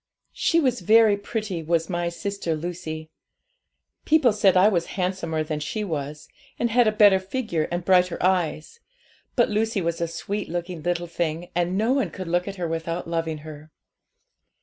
She was very pretty, was my sister Lucy. People said I was handsomer than she was, and had a better figure and brighter eyes; but Lucy was a sweet looking little thing, and no one could look at her without loving her.